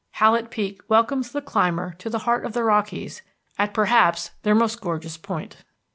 Hallett Peak welcomes the climber to the Heart of the Rockies at perhaps their most gorgeous point.